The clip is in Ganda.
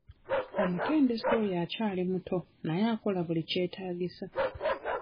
Omutendesi oyo akyali muto naye akola buli kyetaagisa.